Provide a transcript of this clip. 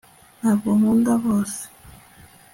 ntabwo nkunda bose